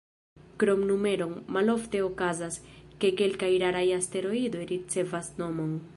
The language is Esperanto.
Krom numeron, malofte okazas, ke kelkaj raraj asteroidoj ricevas nomon.